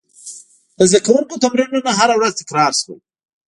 د زده کوونکو تمرینونه هره ورځ تکرار شول.